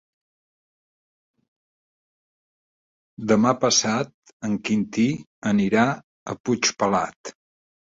Demà passat en Quintí anirà a Puigpelat.